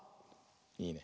いいね。